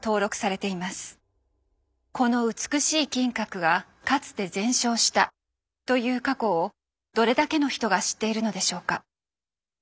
この美しい金閣がかつて全焼したという過去をどれだけの人が知っているのでしょうか。